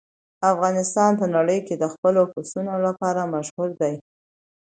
افغانستان په نړۍ کې د خپلو پسونو لپاره مشهور دی.